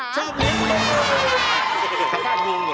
ชอบเลี้ยงเพลงเลี้ยงหมา